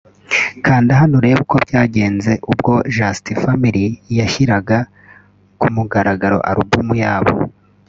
Kanda hano urebe uko byagenze ubwo Just Family bashyiraga ku mugaragaro album yabo